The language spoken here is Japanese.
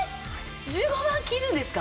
１５万切るんですか？